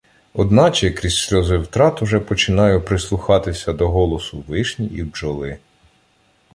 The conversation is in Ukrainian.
Одначе крізь сльози втрат уже починаю прислухатися до голосу вишні і бджоли.